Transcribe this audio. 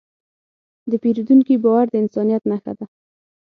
د پیرودونکي باور د انسانیت نښه ده.